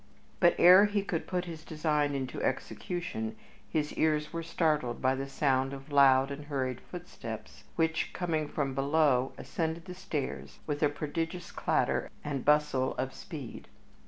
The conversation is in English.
But ere he could put his design into execution his ears were startled by the sound of loud and hurried footsteps which, coming from below, ascended the stairs with a prodigious clatter and bustle of speed.